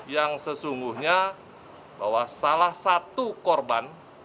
yang sesungguhnya bahwa salah satu korban